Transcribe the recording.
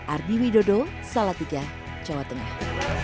ardi widodo salatiga jawa tengah